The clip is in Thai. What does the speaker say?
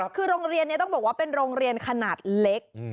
คือโรงเรียนนี้ต้องบอกว่าเป็นโรงเรียนขนาดเล็ก